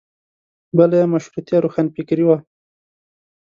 بله یې مشروطیه روښانفکري وه.